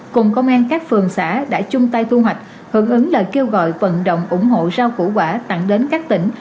cùng công an các phường xã đã chung tay thu hoạch hưởng ứng lời kêu gọi vận động ủng hộ rau củ quả tặng đến các tỉnh